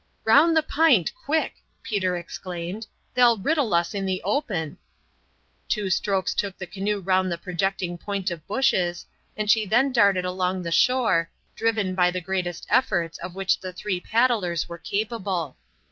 "Round the p'int, quick!" Peter exclaimed. "They'll riddle us in the open." Two strokes took the canoe round the projecting point of bushes, and she then darted along the shore, driven by the greatest efforts of which the three paddlers were capable.